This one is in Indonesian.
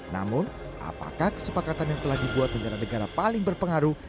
namun apakah kesepakatan yang telah dibuat negara negara paling berpengaruh